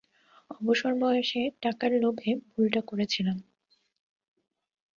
অবসর বয়সে, টাকার লোভে ভুলটা করেছিলাম।